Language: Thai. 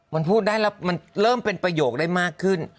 มันพูดได้แล้วมันเริ่มเป็นประโยคได้มากขึ้น